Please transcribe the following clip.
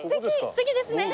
すてきですね。